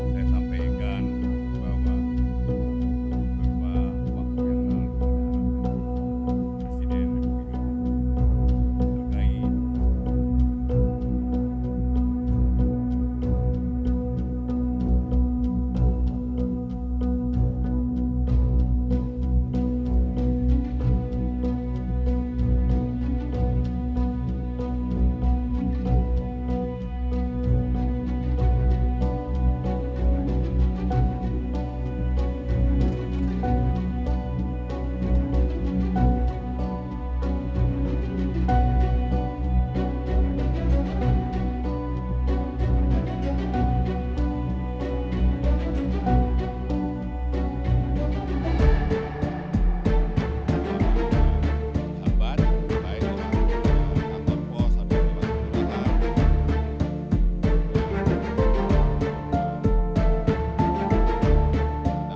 sebelum saya sampaikan bahwa berubah waktu yang nanggut pada presiden